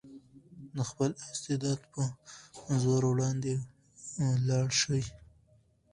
د خپل استعداد په زور وړاندې لاړ شئ.